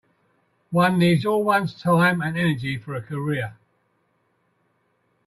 One needs all one's time and energy for a career.